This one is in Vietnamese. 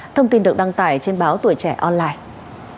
thông tin được đăng tải trên báo tuổi trẻ online